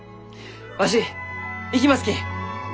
わし行きますき。